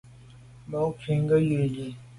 Bon nkùt nku yi li.